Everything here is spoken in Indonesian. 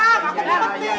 aku mau peti